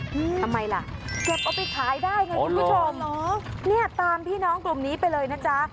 ทำไมล่ะเก็บเอาไปขายได้ไงคุณผู้ชมเหรอเนี่ยตามพี่น้องกลุ่มนี้ไปเลยนะจ๊ะ